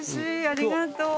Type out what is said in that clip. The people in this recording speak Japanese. ありがとう。